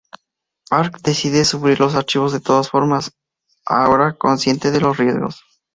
Park decide subir los archivos de todas formas, ahora consciente de los riesgos.